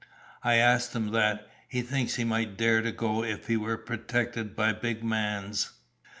"I asked him that. He thinks he might dare to go if he were protected by 'big mans.'"